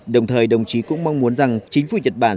đồng thời đồng chí cũng mong muốn rằng chính phủ nhật bản